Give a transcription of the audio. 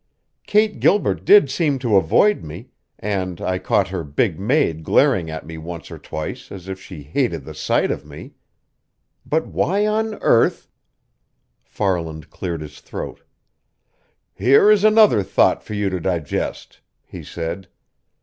Kate Gilbert did seem to avoid me, and I caught her big maid glaring at me once or twice as if she hated the sight of me. But why on earth " Farland cleared his throat. "Here is another thought for you to digest," he said.